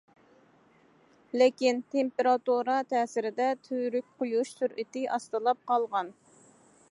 لېكىن تېمپېراتۇرا تەسىرىدە تۈۋرۈك قويۇش سۈرئىتى ئاستىلاپ قالغان.